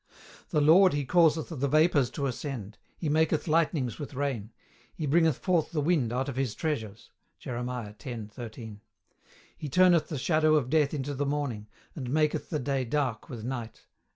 "The Lord He causeth the vapours to ascend; He maketh lightnings with rain; He bringeth forth the wind out of his treasures." Jerem. 10. 13. "He turneth the shadow of death into the morning, and maketh the day dark with night."